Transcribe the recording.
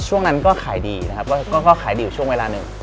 ช่วงนั้นก็ขายดีนะครับก็ขายดีอยู่ช่วงเวลาหนึ่ง